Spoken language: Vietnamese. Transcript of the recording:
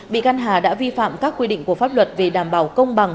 bị căn hà đã vi phạm các quy định của pháp luật về đảm bảo công bằng